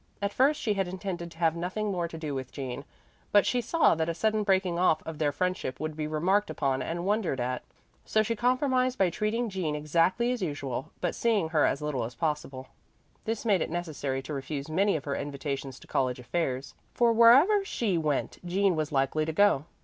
At first she had intended to have nothing more to do with Jean, but she saw that a sudden breaking off of their friendship would be remarked upon and wondered at. So she compromised by treating Jean exactly as usual, but seeing her as little as possible. This made it necessary to refuse many of her invitations to college affairs, for wherever she went Jean was likely to go.